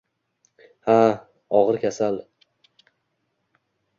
Ha, og’ir kasal